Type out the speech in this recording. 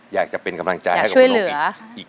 อยากจะเป็นกำลังใจให้กับฮอิท